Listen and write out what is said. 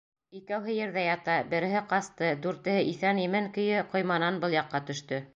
Икәүһе ерҙә ята, береһе ҡасты, дүртеһе иҫән-имен көйө ҡойманан был яҡҡа төштө.